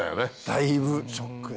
だいぶショックで。